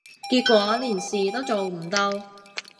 結果連事都做唔到